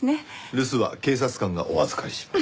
留守は警察官がお預かりします。